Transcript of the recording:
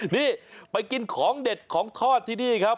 นี่ไปกินของเด็ดของทอดที่นี่ครับ